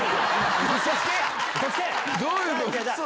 どういうことだよ！